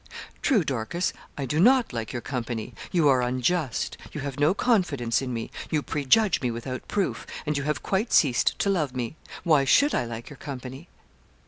'True, Dorcas, I do not like your company. You are unjust; you have no confidence in me; you prejudge me without proof; and you have quite ceased to love me. Why should I like your company?'